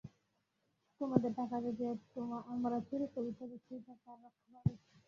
তোমাদের টাকা যদি আমরা চুরি করি তবেই সে টাকা রক্ষা পাবে।